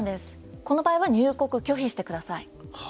この場合は入国拒否してください。